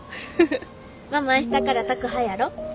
ママ明日から宅配やろ？